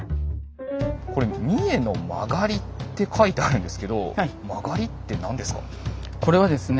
これ「三重の勾」って書いてあるんですけど「勾」って何ですかね？